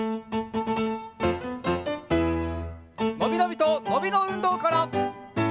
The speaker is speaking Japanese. のびのびとのびのうんどうから！